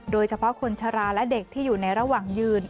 โดยเฉพาะคนชะลาและเด็กที่อยู่ในระหว่างยืน